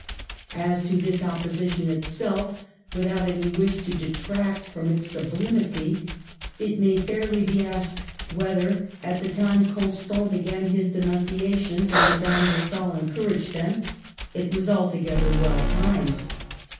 As to this opposition itself, without any wish to detract from its sublimity, it may fairly be asked whether — at the time Con stant began his denunciations, and Madame de Stael encouraged them — it was altogether well timed.